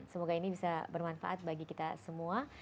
semoga ini bisa bermanfaat bagi kita semua